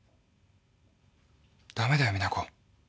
ダメだよ実那子。